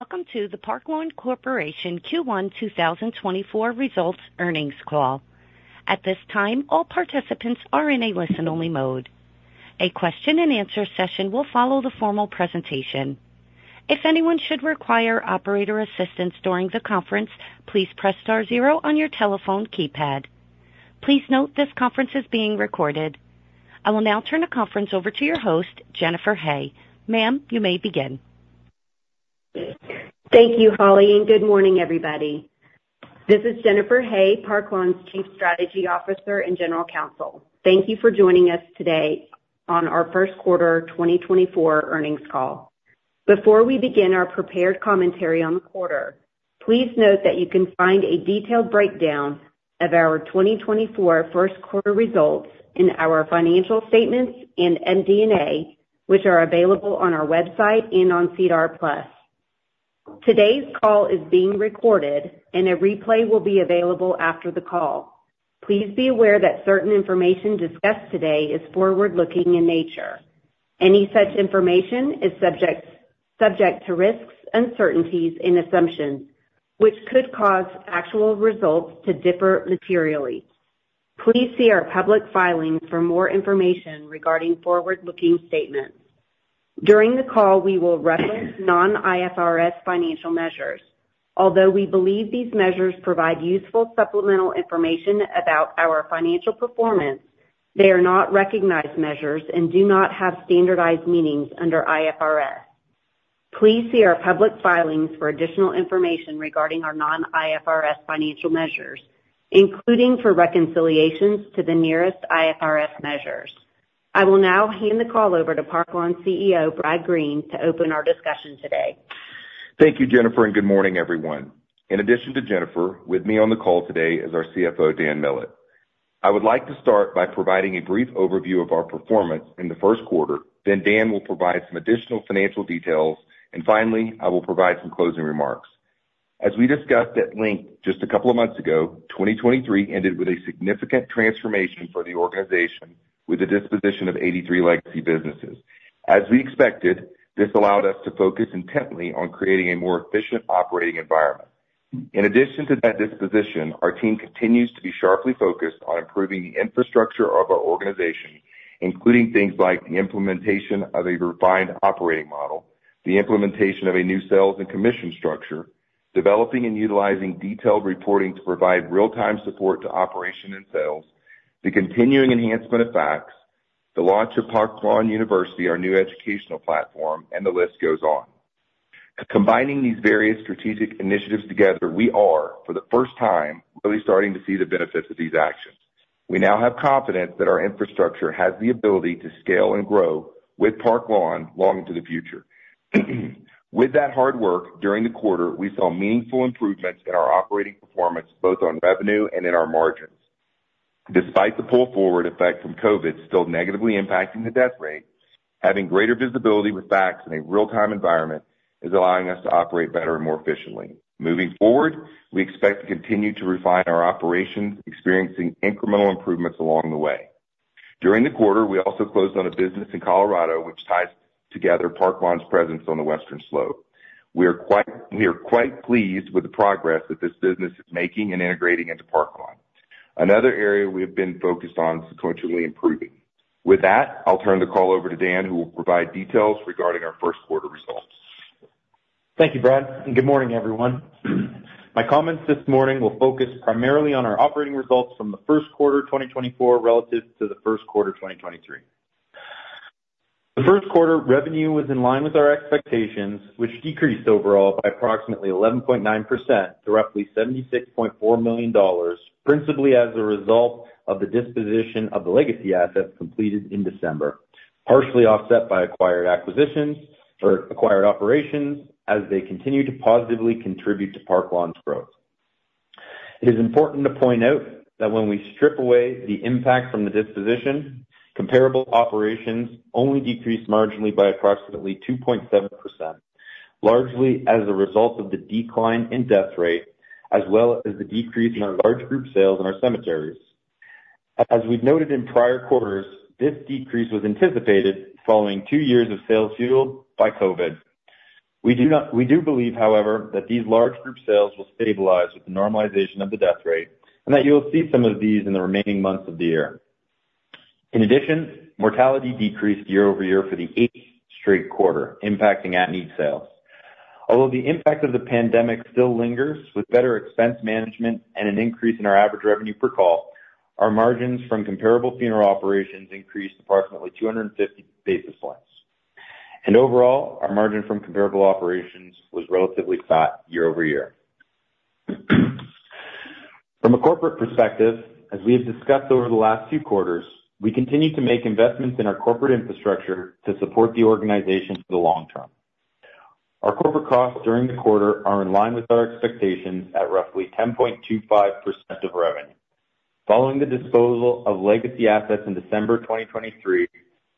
Welcome to the Park Lawn Corporation Q1 2024 results earnings call. At this time, all participants are in a listen-only mode. A question-and-answer session will follow the formal presentation. If anyone should require operator assistance during the conference, please press star zero on your telephone keypad. Please note, this conference is being recorded. I will now turn the conference over to your host, Jennifer Hay. Ma'am, you may begin. Thank you, Holly, and good morning, everybody. This is Jennifer Hay, Park Lawn's Chief Strategy Officer and General Counsel. Thank you for joining us today on our first quarter 2024 earnings call. Before we begin our prepared commentary on the quarter, please note that you can find a detailed breakdown of our 2024 first quarter results in our financial statements and MD&A, which are available on our website and on SEDAR+. Today's call is being recorded, and a replay will be available after the call. Please be aware that certain information discussed today is forward-looking in nature. Any such information is subject, subject to risks, uncertainties, and assumptions, which could cause actual results to differ materially. Please see our public filings for more information regarding forward-looking statements. During the call, we will reference non-IFRS financial measures. Although we believe these measures provide useful supplemental information about our financial performance, they are not recognized measures and do not have standardized meanings under IFRS. Please see our public filings for additional information regarding our non-IFRS financial measures, including for reconciliations to the nearest IFRS measures. I will now hand the call over to Park Lawn CEO, Brad Green, to open our discussion today. Thank you, Jennifer, and good morning, everyone. In addition to Jennifer, with me on the call today is our CFO, Dan Millett. I would like to start by providing a brief overview of our performance in the first quarter, then Dan will provide some additional financial details, and finally, I will provide some closing remarks. As we discussed at length just a couple of months ago, 2023 ended with a significant transformation for the organization, with a disposition of 83 legacy businesses. As we expected, this allowed us to focus intently on creating a more efficient operating environment. In addition to that disposition, our team continues to be sharply focused on improving the infrastructure of our organization, including things like the implementation of a refined operating model, the implementation of a new sales and commission structure, developing and utilizing detailed reporting to provide real-time support to operation and sales, the continuing enhancement of FaCTS, the launch of Park Lawn University, our new educational platform, and the list goes on. Combining these various strategic initiatives together, we are, for the first time, really starting to see the benefits of these actions. We now have confidence that our infrastructure has the ability to scale and grow with Park Lawn long into the future. With that hard work, during the quarter, we saw meaningful improvements in our operating performance, both on revenue and in our margins. Despite the pull-forward effect from COVID still negatively impacting the death rate, having greater visibility with FaCTS in a real-time environment is allowing us to operate better and more efficiently. Moving forward, we expect to continue to refine our operations, experiencing incremental improvements along the way. During the quarter, we also closed on a business in Colorado, which ties together Park Lawn's presence on the Western Slope. We are quite pleased with the progress that this business is making in integrating into Park Lawn, another area we have been focused on sequentially improving. With that, I'll turn the call over to Dan, who will provide details regarding our first quarter results. Thank you, Brad, and good morning, everyone. My comments this morning will focus primarily on our operating results from the first quarter 2024 relative to the first quarter 2023. The first quarter revenue was in line with our expectations, which decreased overall by approximately 11.9% to roughly $76.4 million, principally as a result of the disposition of the legacy assets completed in December, partially offset by acquired acquisitions or acquired operations as they continue to positively contribute to Park Lawn's growth. It is important to point out that when we strip away the impact from the disposition, comparable operations only decreased marginally by approximately 2.7%, largely as a result of the decline in death rate, as well as the decrease in our large group sales in our cemeteries. As we've noted in prior quarters, this decrease was anticipated following two years of sales fueled by COVID. We do believe, however, that these large group sales will stabilize with the normalization of the death rate and that you will see some of these in the remaining months of the year. In addition, mortality decreased year-over-year for the eighth straight quarter, impacting at-need sales. Although the impact of the pandemic still lingers, with better expense management and an increase in our average revenue per call, our margins from comparable funeral operations increased approximately 250 basis points. Overall, our margin from comparable operations was relatively flat year-over-year. From a corporate perspective, as we have discussed over the last two quarters, we continue to make investments in our corporate infrastructure to support the organization for the long term. Our corporate costs during the quarter are in line with our expectations at roughly 10.25% of revenue. Following the disposal of legacy assets in December 2023,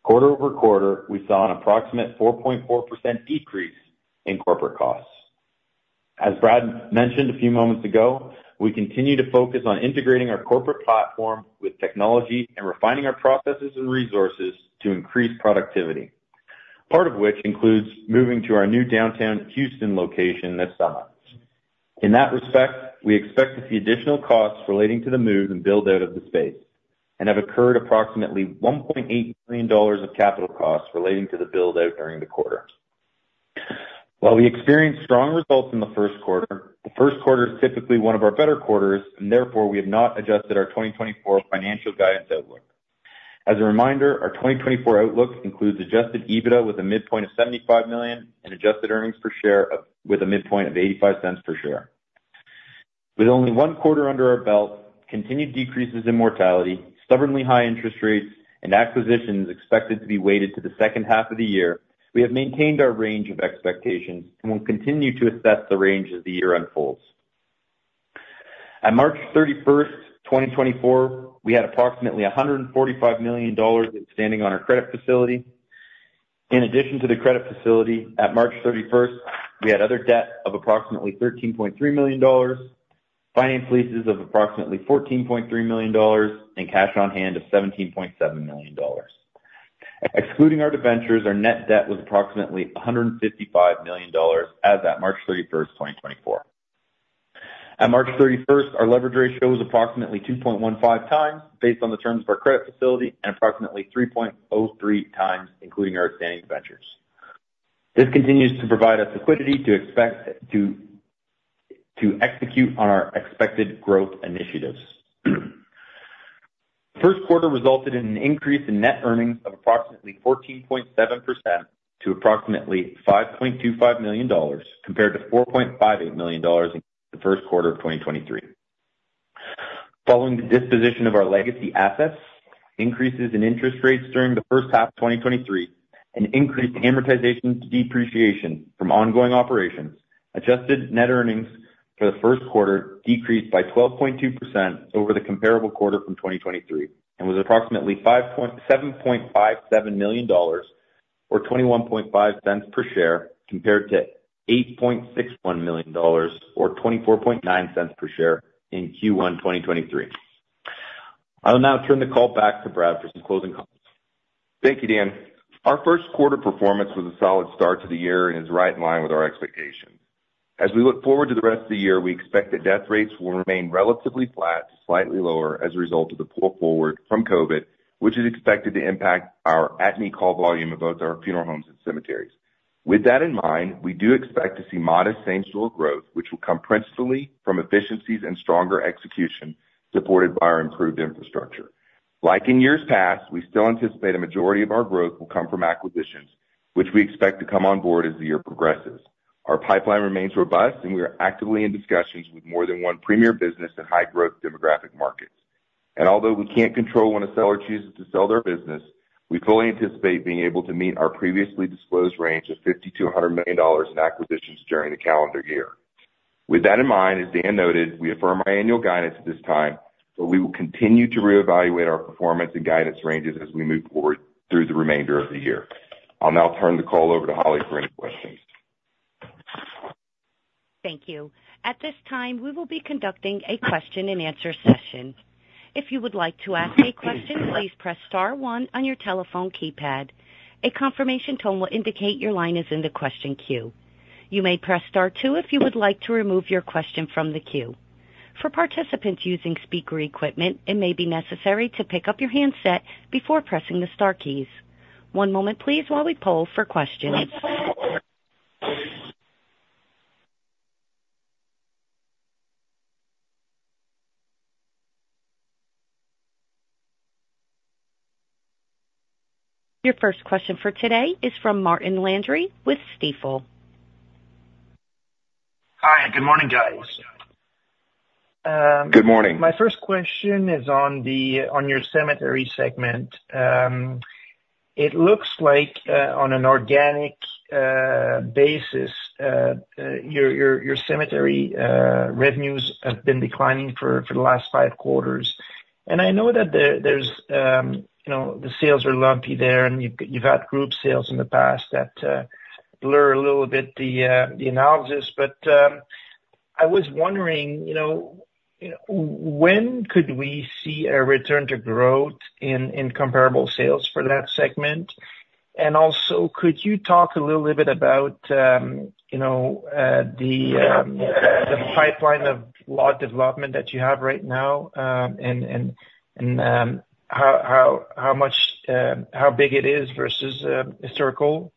quarter-over-quarter, we saw an approximate 4.4% decrease in corporate costs. As Brad mentioned a few moments ago, we continue to focus on integrating our corporate platform with technology and refining our processes and resources to increase productivity, part of which includes moving to our new downtown Houston location this summer. In that respect, we expect to see additional costs relating to the move and build-out of the space, and have incurred approximately $1.8 million of capital costs relating to the build-out during the quarter. While we experienced strong results in the first quarter, the first quarter is typically one of our better quarters, and therefore, we have not adjusted our 2024 financial guidance outlook. As a reminder, our 2024 outlook includes adjusted EBITDA with a midpoint of $75 million and adjusted earnings per share of, with a midpoint of $0.85 per share. With only one quarter under our belt, continued decreases in mortality, stubbornly high interest rates, and acquisitions expected to be weighted to the second half of the year, we have maintained our range of expectations and will continue to assess the range as the year unfolds. At March 31st, 2024, we had approximately $145 million outstanding on our credit facility. In addition to the credit facility, at March 31st, we had other debt of approximately $13.3 million, finance leases of approximately $14.3 million, and cash on hand of $17.7 million. Excluding our debentures, our net debt was approximately $155 million as at March 31st, 2024. At March 31st, our leverage ratio was approximately 2.15x, based on the terms of our credit facility, and approximately 3.03x, including our outstanding debentures. This continues to provide us liquidity to execute on our expected growth initiatives. First quarter resulted in an increase in net earnings of approximately 14.7% to approximately $5.25 million, compared to $4.58 million in the first quarter of 2023. Following the disposition of our legacy assets, increases in interest rates during the first half of 2023, and increased amortization to depreciation from ongoing operations, adjusted net earnings for the first quarter decreased by 12.2% over the comparable quarter from 2023, and was approximately $5.757 million, or $0.215 per share, compared to $8.61 million, or $0.249 per share in Q1 2023. I will now turn the call back to Brad for some closing comments. Thank you, Dan. Our first quarter performance was a solid start to the year and is right in line with our expectations. As we look forward to the rest of the year, we expect that death rates will remain relatively flat to slightly lower as a result of the pull forward from COVID, which is expected to impact our at-need call volume in both our funeral homes and cemeteries. With that in mind, we do expect to see modest same-store growth, which will come principally from efficiencies and stronger execution, supported by our improved infrastructure. Like in years past, we still anticipate a majority of our growth will come from acquisitions, which we expect to come on board as the year progresses. Our pipeline remains robust, and we are actively in discussions with more than one premier business in high growth demographic markets. Although we can't control when a seller chooses to sell their business, we fully anticipate being able to meet our previously disclosed range of $50 million-$100 million in acquisitions during the calendar year. With that in mind, as Dan noted, we affirm our annual guidance at this time, but we will continue to reevaluate our performance and guidance ranges as we move forward through the remainder of the year. I'll now turn the call over to Holly for any questions. Thank you. At this time, we will be conducting a question-and-answer session. If you would like to ask a question, please press star one on your telephone keypad. A confirmation tone will indicate your line is in the question queue. You may press star two if you would like to remove your question from the queue. For participants using speaker equipment, it may be necessary to pick up your handset before pressing the star keys. One moment please while we poll for questions. Your first question for today is from Martin Landry with Stifel. Hi, good morning, guys. Good morning. My first question is on your cemetery segment. It looks like on an organic basis your cemetery revenues have been declining for the last five quarters. And I know that there's you know the sales are lumpy there, and you've had group sales in the past that blur a little bit the analysis. But I was wondering you know when could we see a return to growth in comparable sales for that segment? And also could you talk a little bit about you know the pipeline of lot development that you have right now, and how much how big it is versus historical?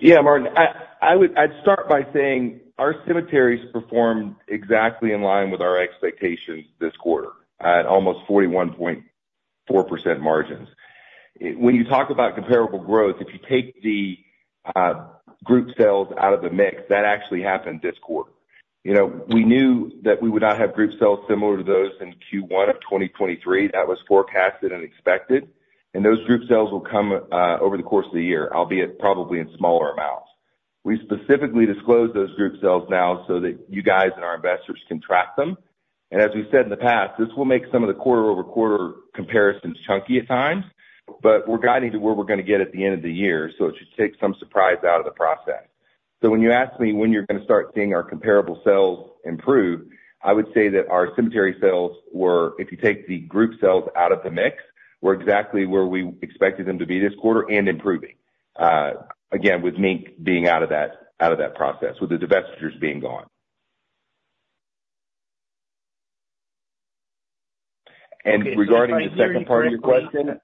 Yeah, Martin, I'd start by saying our cemeteries performed exactly in line with our expectations this quarter at almost 41.4% margins. When you talk about comparable growth, if you take the group sales out of the mix, that actually happened this quarter. You know, we knew that we would not have group sales similar to those in Q1 of 2023. That was forecasted and expected, and those group sales will come over the course of the year, albeit probably in smaller amounts. We specifically disclosed those group sales now so that you guys and our investors can track them. And as we said in the past, this will make some of the quarter-over-quarter comparisons chunky at times, but we're guiding to where we're gonna get at the end of the year, so it should take some surprise out of the process. So when you ask me, when you're gonna start seeing our comparable sales improve, I would say that our cemetery sales were, if you take the group sales out of the mix, were exactly where we expected them to be this quarter and improving, again, with [Meeks] being out of that, out of that process, with the divestitures being gone. And regarding the second part of your question?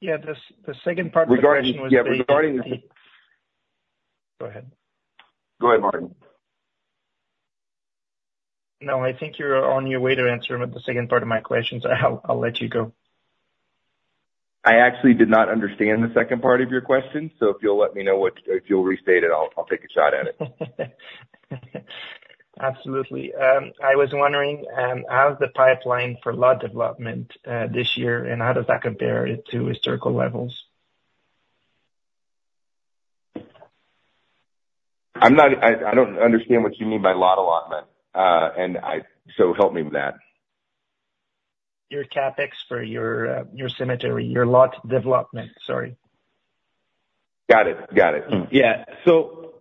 Yeah, the second part of the question was- Regarding... Yeah, regarding- Go ahead. Go ahead, Martin. No, I think you're on your way to answering the second part of my question, so I'll, I'll let you go. I actually did not understand the second part of your question, so if you'll let me know what-- If you'll restate it, I'll, I'll take a shot at it. Absolutely. I was wondering, how's the pipeline for lot development, this year, and how does that compare to historical levels? I don't understand what you mean by lot allotment, and I... So help me with that. Your CapEx for your cemetery, your lot development, sorry. Got it. Got it. Yeah. So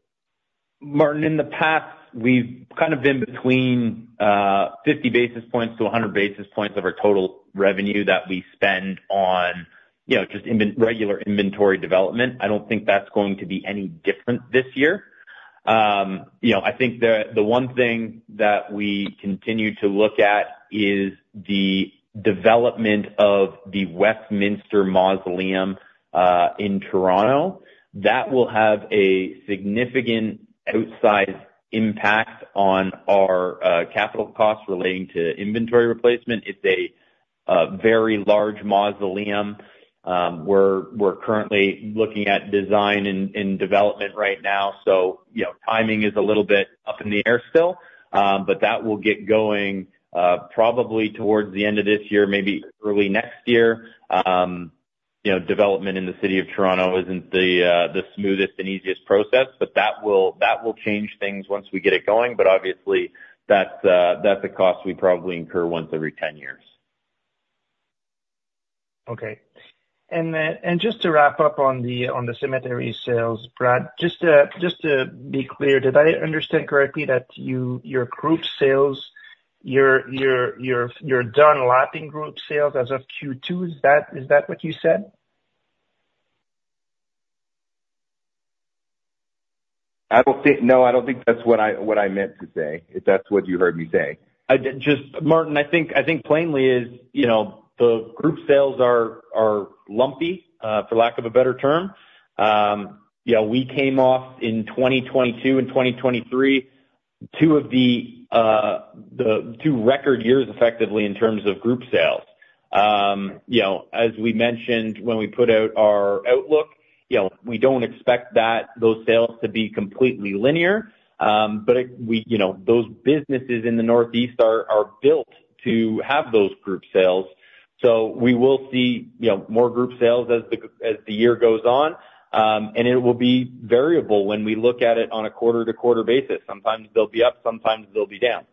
Martin, in the past, we've kind of been between 50-100 basis points of our total revenue that we spend on, you know, just regular inventory development. I don't think that's going to be any different this year. You know, I think the one thing that we continue to look at is the development of the Westminster Mausoleum in Toronto. That will have a significant outsized impact on our capital costs relating to inventory replacement. It's a very large mausoleum. We're currently looking at design and development right now, so you know, timing is a little bit up in the air still. But that will get going probably towards the end of this year, maybe early next year. You know, development in the city of Toronto isn't the smoothest and easiest process, but that will change things once we get it going. But obviously, that's a cost we probably incur once every 10 years. Okay. Just to wrap up on the cemetery sales, Brad, just to be clear, did I understand correctly that your group sales, you're done lapping group sales as of Q2? Is that what you said? I don't think... No, I don't think that's what I, what I meant to say, if that's what you heard me say. I just, Martin, I think plainly is, you know, the group sales are lumpy, for lack of a better term. You know, we came off in 2022 and 2023, two of the two record years, effectively, in terms of group sales. You know, as we mentioned when we put out our outlook, you know, we don't expect that, those sales to be completely linear. But we, you know, those businesses in the Northeast are built to have those group sales. So we will see, you know, more group sales as the year goes on. And it will be variable when we look at it on a quarter-to-quarter basis. Sometimes they'll be up, sometimes they'll be down.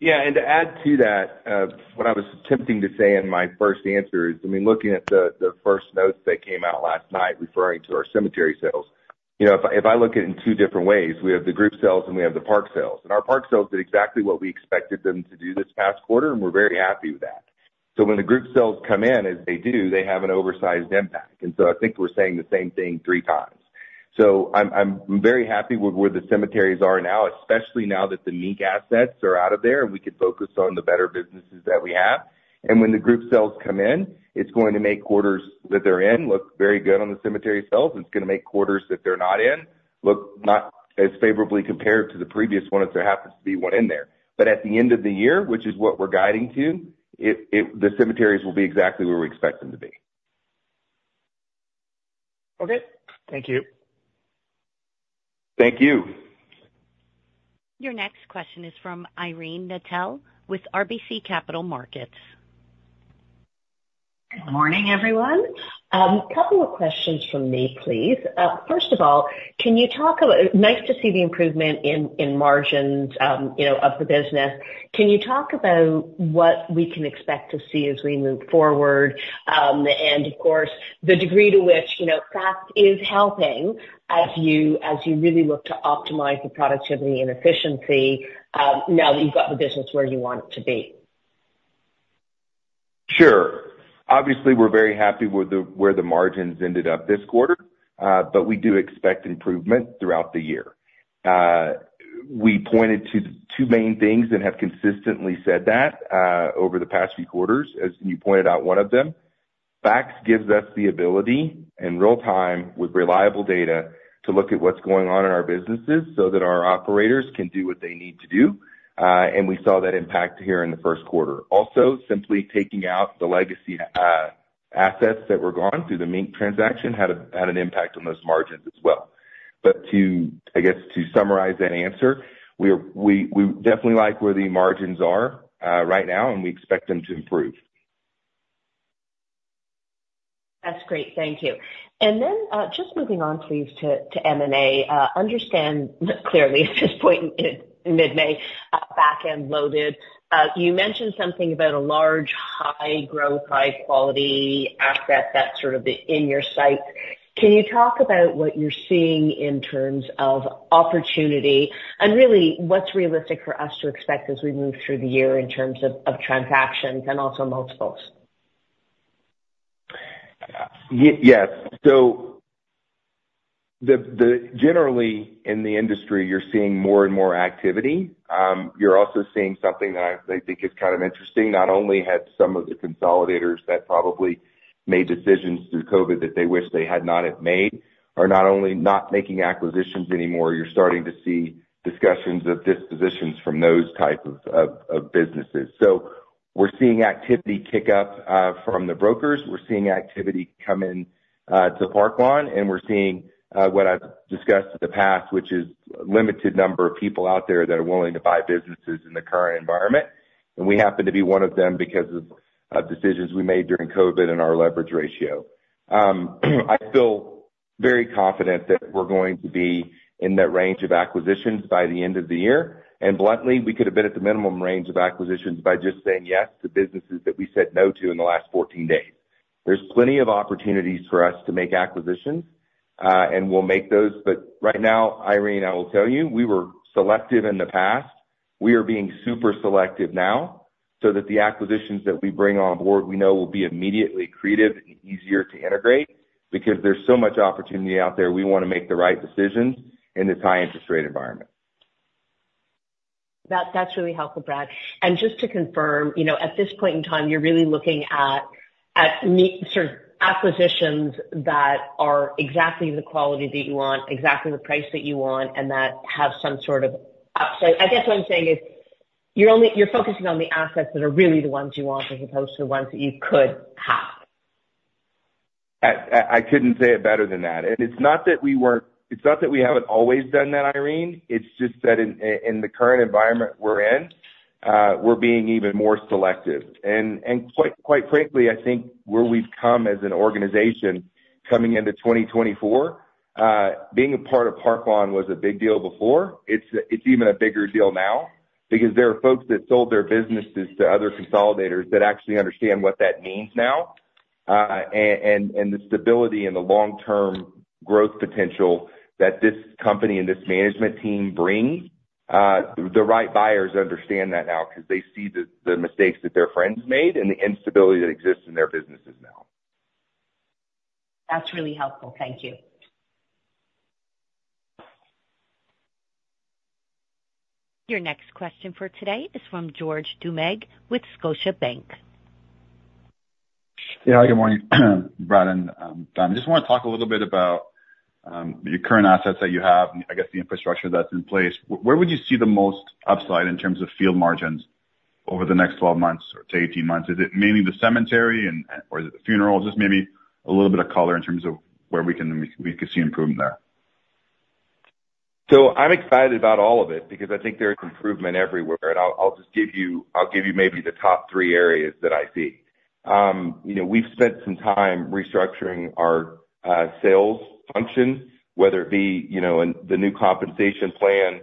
Yeah, and to add to that, what I was attempting to say in my first answer is, I mean, looking at the first notes that came out last night referring to our cemetery sales, you know, if I, if I look at it in two different ways, we have the group sales, and we have the park sales. And our park sales did exactly what we expected them to do this past quarter, and we're very happy with that. So when the group sales come in as they do, they have an oversized impact. And so I think we're saying the same thing three times. So I'm, I'm very happy with where the cemeteries are now, especially now that the [Meek] assets are out of there, and we can focus on the better businesses that we have. And when the group sales come in, it's going to make quarters that they're in look very good on the cemetery sales. It's gonna make quarters that they're not in, look not as favorably compared to the previous one, if there happens to be one in there. But at the end of the year, which is what we're guiding to, it, it, the cemeteries will be exactly where we expect them to be. Okay. Thank you. Thank you. Your next question is from Irene Nattel with RBC Capital Markets. Good morning, everyone. Couple of questions from me, please. First of all, can you talk about. Nice to see the improvement in margins, you know, of the business. Can you talk about what we can expect to see as we move forward? And of course, the degree to which, you know, FaCTS is helping as you really look to optimize the productivity and efficiency, now that you've got the business where you want it to be. Sure. Obviously, we're very happy with where the margins ended up this quarter, but we do expect improvement throughout the year. We pointed to two main things and have consistently said that over the past few quarters, as you pointed out, one of them. FaCTS gives us the ability, in real time, with reliable data, to look at what's going on in our businesses so that our operators can do what they need to do, and we saw that impact here in the first quarter. Also, simply taking out the legacy assets that were gone through the [Meek] transaction had an impact on those margins as well. But to... I guess to summarize that answer, we definitely like where the margins are right now, and we expect them to improve. That's great. Thank you. And then, just moving on please, to M&A. Understand clearly at this point in mid-May, back end loaded. You mentioned something about a large, high growth, high quality asset that's sort of in your sights. Can you talk about what you're seeing in terms of opportunity and really what's realistic for us to expect as we move through the year in terms of transactions and also multiples? Yes. So generally, in the industry, you're seeing more and more activity. You're also seeing something that I think is kind of interesting, not only have some of the consolidators that probably made decisions through COVID that they wish they had not have made, are not only not making acquisitions anymore, you're starting to see discussions of dispositions from those types of businesses. So we're seeing activity kick up from the brokers. We're seeing activity come in to Park Lawn, and we're seeing what I've discussed in the past, which is limited number of people out there that are willing to buy businesses in the current environment, and we happen to be one of them because of decisions we made during COVID and our leverage ratio. I feel very confident that we're going to be in that range of acquisitions by the end of the year, and bluntly, we could have been at the minimum range of acquisitions by just saying yes to businesses that we said no to in the last 14 days. There's plenty of opportunities for us to make acquisitions, and we'll make those, but right now, Irene, I will tell you, we were selective in the past. We are being super selective now, so that the acquisitions that we bring on board, we know will be immediately accretive and easier to integrate. Because there's so much opportunity out there, we wanna make the right decisions in this high interest rate environment. That's really helpful, Brad. And just to confirm, you know, at this point in time, you're really looking at sort of acquisitions that are exactly the quality that you want, exactly the price that you want, and that have some sort of upside. I guess what I'm saying is, you're only focusing on the assets that are really the ones you want, as opposed to the ones that you could have. I couldn't say it better than that. And it's not that we weren't... It's not that we haven't always done that, Irene. It's just that in the current environment we're in, we're being even more selective. And quite frankly, I think where we've come as an organization coming into 2024, being a part of Park Lawn was a big deal before. It's even a bigger deal now, because there are folks that sold their businesses to other consolidators that actually understand what that means now. And the stability and the long-term growth potential that this company and this management team bring, the right buyers understand that now, 'cause they see the mistakes that their friends made and the instability that exists in their businesses now. That's really helpful. Thank you. Your next question for today is from George Doumet with Scotiabank. Yeah. Good morning, Brad and Dan. I just wanna talk a little bit about your current assets that you have and I guess the infrastructure that's in place. Where would you see the most upside in terms of field margins over the next 12 months or to 18 months? Is it mainly the cemetery, or is it the funeral? Just maybe a little bit of color in terms of where we could see improvement there. So I'm excited about all of it, because I think there's improvement everywhere, and I'll just give you maybe the top three areas that I see. You know, we've spent some time restructuring our sales function, whether it be, you know, in the new compensation plan,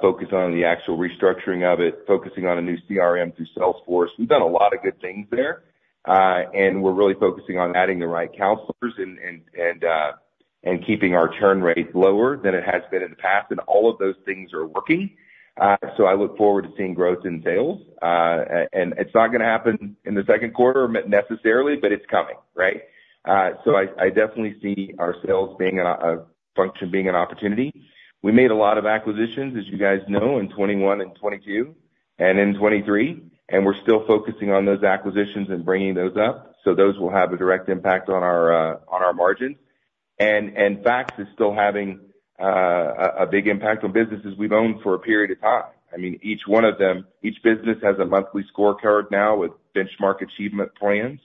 focused on the actual restructuring of it, focusing on a new CRM through Salesforce. We've done a lot of good things there. And we're really focusing on adding the right counselors and keeping our churn rate lower than it has been in the past, and all of those things are working. So I look forward to seeing growth in sales. And it's not gonna happen in the second quarter necessarily, but it's coming, right? So I definitely see our sales being a function, being an opportunity. We made a lot of acquisitions, as you guys know, in 2021 and 2022 and in 2023, and we're still focusing on those acquisitions and bringing those up, so those will have a direct impact on our margins. And FaCTS is still having a big impact on businesses we've owned for a period of time. I mean, each one of them, each business has a monthly scorecard now with benchmark achievement plans,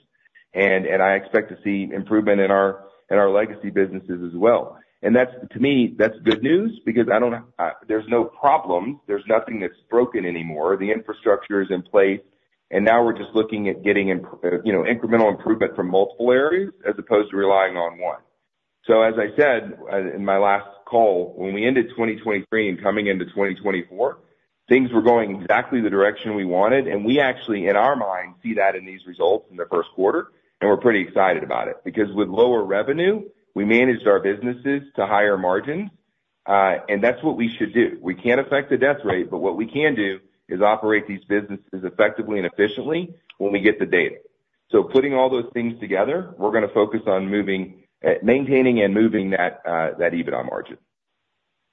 and I expect to see improvement in our legacy businesses as well. And that's, to me, that's good news because I don't... There's no problem. There's nothing that's broken anymore. The infrastructure is in place, and now we're just looking at getting, you know, incremental improvement from multiple areas, as opposed to relying on one. So as I said, in my last call, when we ended 2023 and coming into 2024, things were going exactly the direction we wanted, and we actually, in our minds, see that in these results in the first quarter, and we're pretty excited about it. Because with lower revenue, we managed our businesses to higher margins, and that's what we should do. We can't affect the death rate, but what we can do is operate these businesses effectively and efficiently when we get the data. So putting all those things together, we're gonna focus on moving, maintaining and moving that, that EBITDA margin.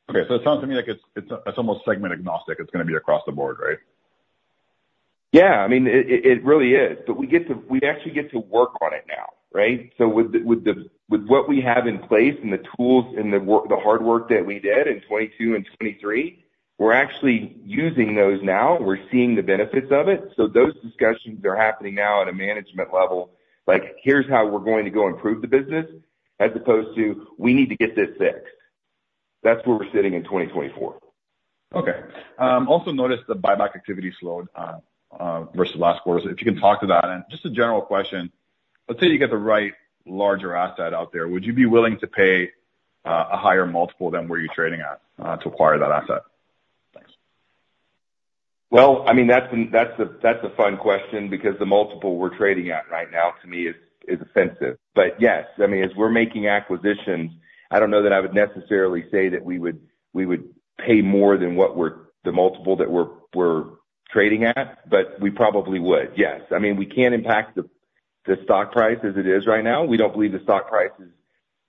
Okay, so it sounds to me like it's almost segment agnostic. It's gonna be across the board, right? Yeah. I mean, it really is. But we get to... We actually get to work on it now, right? So with what we have in place and the tools and the work, the hard work that we did in 2022 and 2023, we're actually using those now. We're seeing the benefits of it. So those discussions are happening now at a management level. Like, here's how we're going to go improve the business, as opposed to, we need to get this fixed.... That's where we're sitting in 2024. Okay. Also noticed the buyback activity slowed versus last quarter. So if you can talk to that. And just a general question, let's say you get the right larger asset out there, would you be willing to pay a higher multiple than where you're trading at to acquire that asset? Thanks. Well, I mean, that's a fun question because the multiple we're trading at right now, to me, is offensive. But yes, I mean, as we're making acquisitions, I don't know that I would necessarily say that we would pay more than what we're, the multiple that we're trading at, but we probably would, yes. I mean, we can't impact the stock price as it is right now. We don't believe the stock price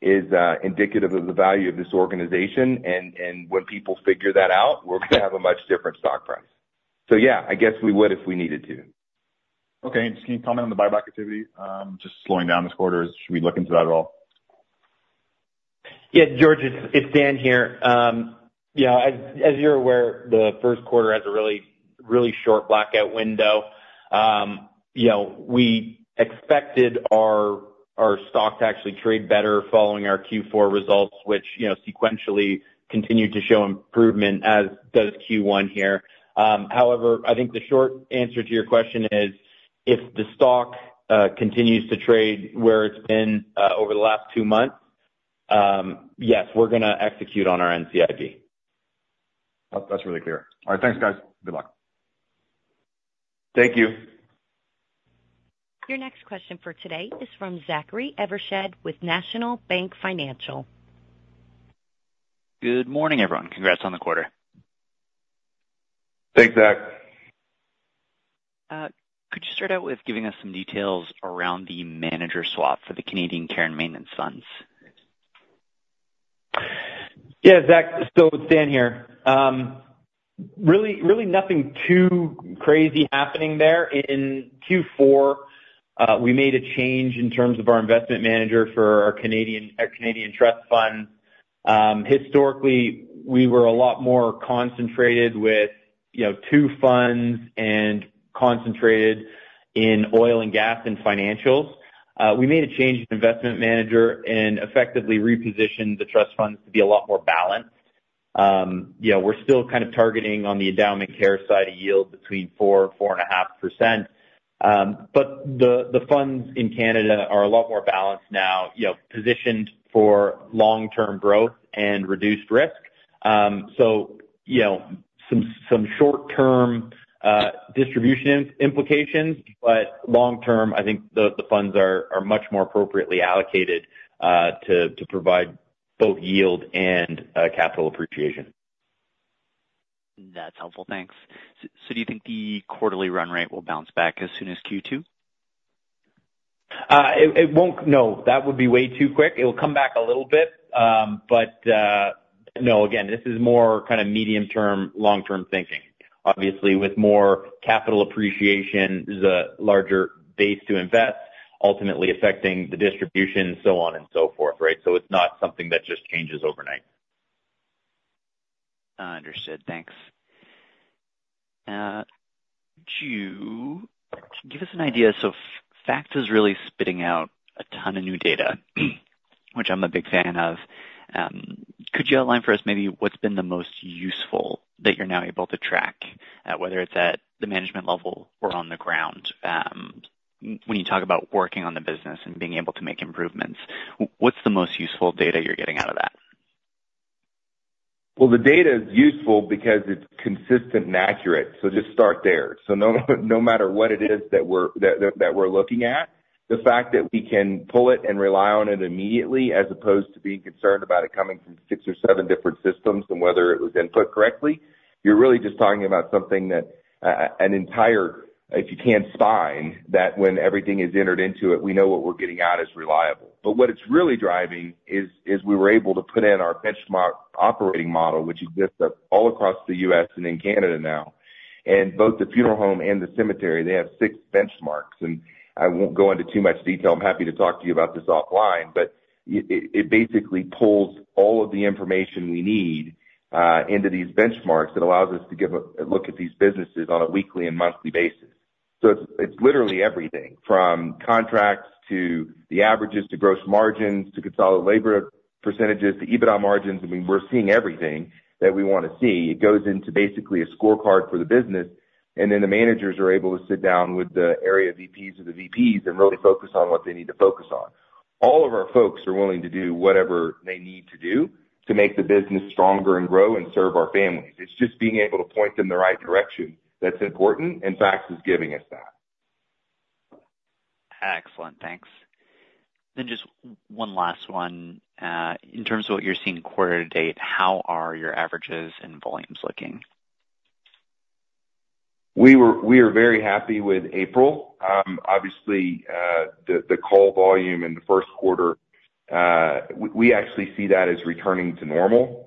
is indicative of the value of this organization, and when people figure that out, we're gonna have a much different stock price. So yeah, I guess we would if we needed to. Okay, and just can you comment on the buyback activity, just slowing down this quarter? Should we look into that at all? Yeah, George, it's Dan here. Yeah, as you're aware, the first quarter has a really, really short blackout window. You know, we expected our stock to actually trade better following our Q4 results, which, you know, sequentially continued to show improvement, as does Q1 here. However, I think the short answer to your question is, if the stock continues to trade where it's been over the last two months, yes, we're gonna execute on our NCIB. Oh, that's really clear. All right, thanks, guys. Good luck. Thank you. Your next question for today is from Zachary Evershed, with National Bank Financial. Good morning, everyone. Congrats on the quarter. Thanks, Zach. Could you start out with giving us some details around the manager swap for the Canadian care and maintenance funds? Yeah, Zach, still Dan here. Really, really nothing too crazy happening there. In Q4, we made a change in terms of our investment manager for our Canadian, our Canadian trust fund. Historically, we were a lot more concentrated with, you know, two funds and concentrated in oil and gas and financials. We made a change in investment manager and effectively repositioned the trust funds to be a lot more balanced. You know, we're still kind of targeting on the endowment care side, a yield between 4%-4.5%. But the funds in Canada are a lot more balanced now, you know, positioned for long-term growth and reduced risk. So, you know, some short-term distribution implications, but long-term, I think the funds are much more appropriately allocated to provide both yield and capital appreciation. That's helpful. Thanks. So do you think the quarterly run rate will bounce back as soon as Q2? It won't... No, that would be way too quick. It'll come back a little bit, but no. Again, this is more kind of medium-term, long-term thinking. Obviously, with more capital appreciation, there's a larger base to invest, ultimately affecting the distribution, so on and so forth, right? So it's not something that just changes overnight. Understood. Thanks. Could you give us an idea, so FaCTS is really spitting out a ton of new data, which I'm a big fan of. Could you outline for us maybe what's been the most useful that you're now able to track, whether it's at the management level or on the ground? When you talk about working on the business and being able to make improvements, what's the most useful data you're getting out of that? Well, the data is useful because it's consistent and accurate, so just start there. So no, no matter what it is that we're looking at, the fact that we can pull it and rely on it immediately, as opposed to being concerned about it coming from six or seven different systems and whether it was input correctly, you're really just talking about something that an entire... If you can't spine that when everything is entered into it, we know what we're getting out is reliable. But what it's really driving is we were able to put in our benchmark operating model, which exists up all across the U.S. and in Canada now, and both the funeral home and the cemetery, they have six benchmarks. And I won't go into too much detail. I'm happy to talk to you about this offline, but it basically pulls all of the information we need into these benchmarks that allows us to give a look at these businesses on a weekly and monthly basis. So it's literally everything from contracts to the averages, to gross margins, to consolidated labor percentages, to EBITDA margins. I mean, we're seeing everything that we want to see. It goes into basically a scorecard for the business, and then the managers are able to sit down with the area VPs or the VPs and really focus on what they need to focus on. All of our folks are willing to do whatever they need to do to make the business stronger and grow and serve our families. It's just being able to point them in the right direction that's important, and FaCTS is giving us that. Excellent. Thanks. Then just one last one. In terms of what you're seeing quarter-to-date, how are your averages and volumes looking? We are very happy with April. Obviously, the call volume in the first quarter, we actually see that as returning to normal.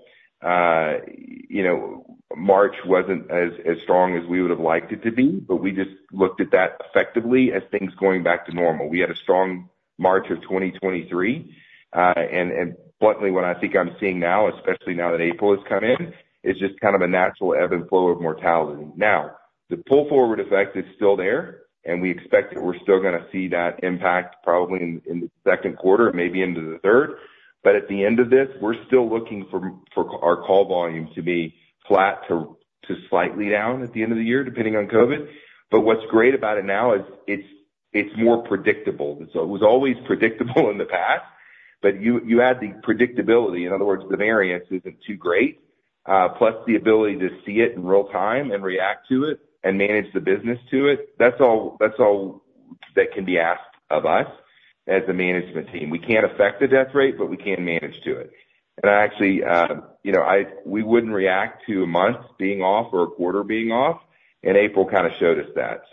You know, March wasn't as strong as we would have liked it to be, but we just looked at that effectively as things going back to normal. We had a strong March of 2023, and bluntly, what I think I'm seeing now, especially now that April has come in, is just kind of a natural ebb and flow of mortality. The pull-forward effect is still there, and we expect that we're still gonna see that impact probably in the second quarter, maybe into the third. But at the end of this, we're still looking for our call volume to be flat to, to slightly down at the end of the year, depending on COVID. But what's great about it now is it's, it's more predictable. So it was always predictable in the past, but you, you add the predictability, in other words, the variance isn't too great, plus the ability to see it in real time and react to it and manage the business to it, that's all, that's all that can be asked of us as a management team. We can't affect the death rate, but we can manage to it. And I actually, you know, we wouldn't react to a month being off or a quarter being off, and April kind of showed us that.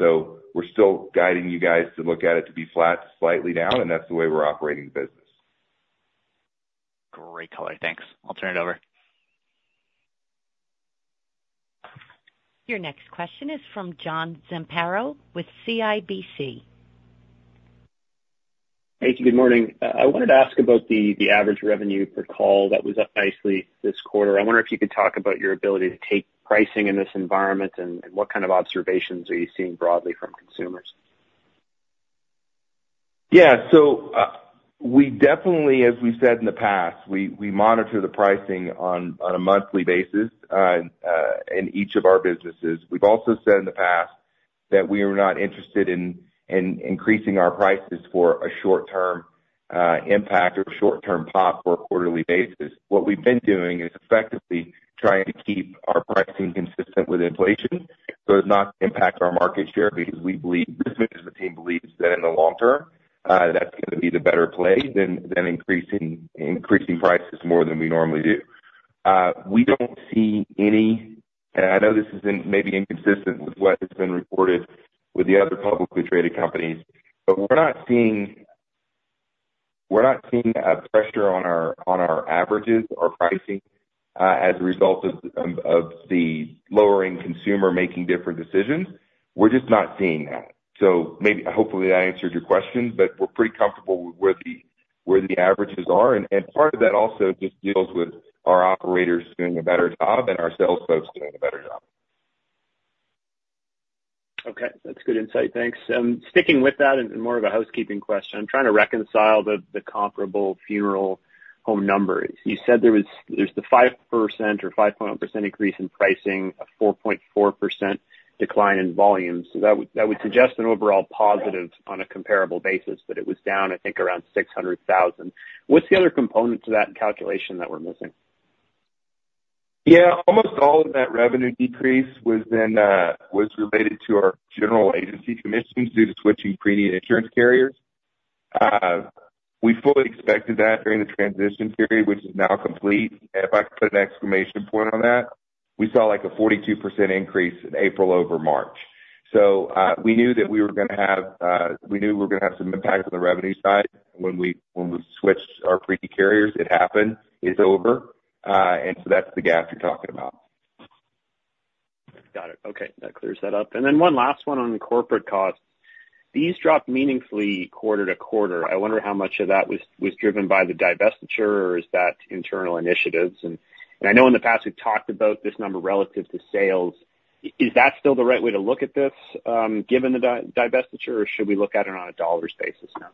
We're still guiding you guys to look at it to be flat to slightly down, and that's the way we're operating the business. Great color. Thanks. I'll turn it over. Your next question is from John Zamparo with CIBC. Thank you. Good morning. I wanted to ask about the, the average revenue per call that was up nicely this quarter. I wonder if you could talk about your ability to take pricing in this environment and, and what kind of observations are you seeing broadly from consumers? Yeah. So, we definitely, as we've said in the past, we monitor the pricing on a monthly basis in each of our businesses. We've also said in the past that we are not interested in increasing our prices for a short-term impact or short-term pop or a quarterly basis. What we've been doing is effectively trying to keep our pricing consistent with inflation, so as not to impact our market share, because we believe, this management team believes that in the long term, that's gonna be the better play than increasing prices more than we normally do. We don't see any... I know this isn't maybe inconsistent with what has been reported with the other publicly traded companies, but we're not seeing, we're not seeing a pressure on our averages or pricing, as a result of the lowering consumer making different decisions. We're just not seeing that. So maybe, hopefully, I answered your question, but we're pretty comfortable with where the averages are. And part of that also just deals with our operators doing a better job and our sales folks doing a better job. Okay. That's good insight. Thanks. Sticking with that and more of a housekeeping question, I'm trying to reconcile the comparable funeral home numbers. You said there's the 5% or 5.0% increase in pricing, a 4.4% decline in volume. So that would suggest an overall positive on a comparable basis, but it was down, I think, around $600,000. What's the other component to that calculation that we're missing? Yeah, almost all of that revenue decrease was in, was related to our general agency commissions due to switching preneed insurance carriers. We fully expected that during the transition period, which is now complete. And if I put an exclamation point on that, we saw like a 42% increase in April over March. So, we knew that we were gonna have, we knew we were gonna have some impact on the revenue side when we, when we switched our preneed carriers. It happened, it's over, and so that's the gap you're talking about. Got it. Okay, that clears that up. And then one last one on the corporate costs. These dropped meaningfully quarter-over-quarter. I wonder how much of that was driven by the divestiture or is that internal initiatives? And I know in the past, we've talked about this number relative to sales. Is that still the right way to look at this, given the divestiture, or should we look at it on a dollar basis now?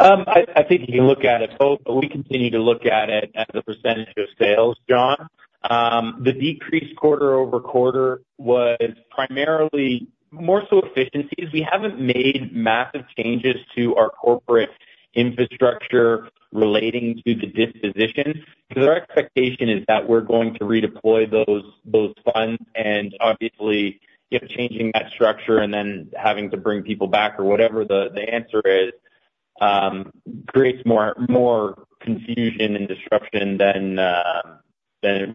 I think you can look at it both. We continue to look at it as a percentage of sales, John. The decrease quarter-over-quarter was primarily more so efficiencies. We haven't made massive changes to our corporate infrastructure relating to the disposition, because our expectation is that we're going to redeploy those funds, and obviously, if changing that structure and then having to bring people back or whatever the answer is, creates more confusion and disruption than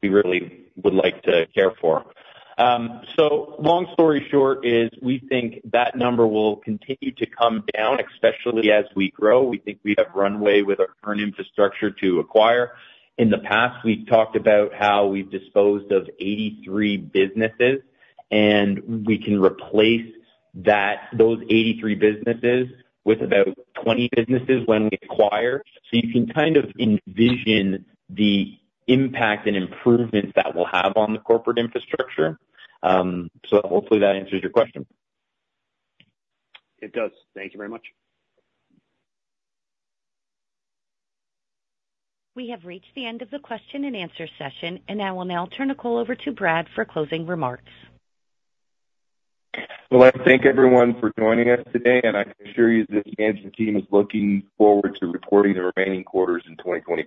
we really would like to care for. So long story short is we think that number will continue to come down, especially as we grow. We think we have runway with our current infrastructure to acquire. In the past, we've talked about how we've disposed of 83 businesses, and we can replace that, those 83 businesses with about 20 businesses when we acquire. So you can kind of envision the impact and improvements that we'll have on the corporate infrastructure. So hopefully that answers your question. It does. Thank you very much. We have reached the end of the question and answer session, and I will now turn the call over to Brad for closing remarks. Well, I thank everyone for joining us today, and I assure you this management team is looking forward to reporting the remaining quarters in 2023.